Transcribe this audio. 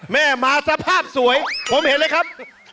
แม่มาสภาพสวยผมเห็นเลยครับ